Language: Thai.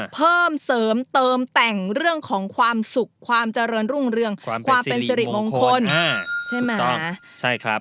เพิ่มเสริมเติมแต่งเรื่องของความสุขความเจริญรุ่งเรืองความเป็นสิริมงคลใช่ไหมใช่ครับ